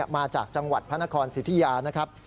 มาจากจังหวัดพระนครสิทธิยานะครับ